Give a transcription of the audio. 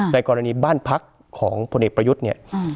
ในกรณีบ้านพักของพลเอกประยุทธ์เนี่ย